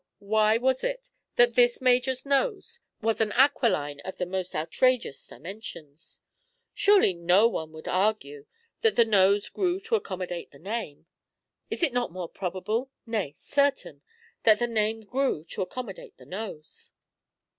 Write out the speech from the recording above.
Now, why was it that this Major's nose was an aquiline of the most outrageous dimensions? Surely no one would argue that the nose grew to accommodate the name. Is it not more probable nay, certain that the name grew to accommodate the nose?